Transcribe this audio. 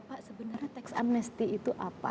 pak sebenarnya teksamnesti itu apa